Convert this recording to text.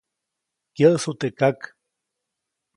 Kyäʼsu teʼ kak.